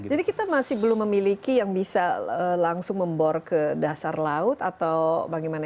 jadi kita masih belum memiliki yang bisa langsung membor ke dasar laut atau bagaimana